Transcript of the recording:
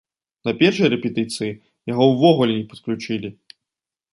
На першай рэпетыцыі яго ўвогуле не падключылі.